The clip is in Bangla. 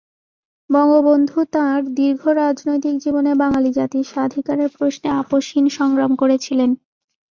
বঙ্গবন্ধু তাঁর দীর্ঘ রাজনৈতিক জীবনে বাঙালি জাতির স্বাধিকারের প্রশ্নে আপসহীন সংগ্রাম করেছিলেন।